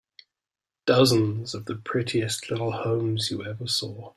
Dozens of the prettiest little homes you ever saw.